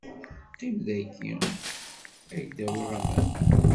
Qqim dayi, ad k-d-awiɣ aman.